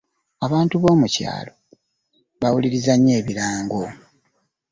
Abantu b'omukyalo bawuliriza nnyo ebirango.